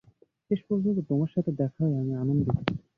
শেষপর্যন্ত তোমার সাথে দেখা হয়ে আমি আনন্দিত।